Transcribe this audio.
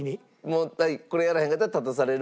もうこれやらへんかったら立たされるんですね。